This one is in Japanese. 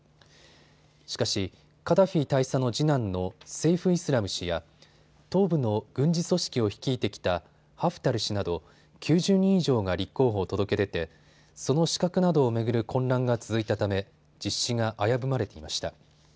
しかしカダフィ大佐の次男のセイフ・イスラム氏や東部の軍事組織を率いてきたハフタル氏など９０人以上が立候補を届け出てその資格などを巡る混乱が続いたため実施が危ぶまれていました。